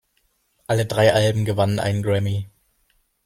Alle drei Alben gewannen einen Grammy.